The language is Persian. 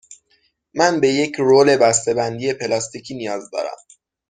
من به یک رول بسته بندی پلاستیکی نیاز دارم.